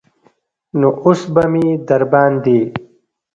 نو اوس به مې درباندې.